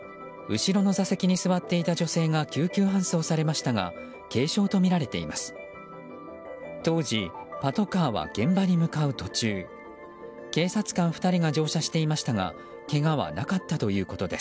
後ろの座席に座っていた女性が救急搬送されましたが軽傷とみられています。